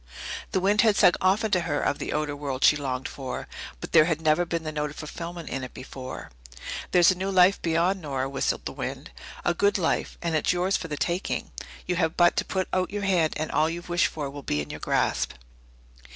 The wind had sung often to her of the outer world she longed for, but there had never been the note of fulfilment in it before. There's a new life beyond, Nora, whistled the wind. A good life and it's yours for the taking. You have but to put out your hand and all you've wished for will be in your grasp.